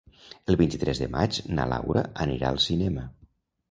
El vint-i-tres de maig na Laura anirà al cinema.